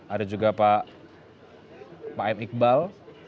ada juga pak m iqbal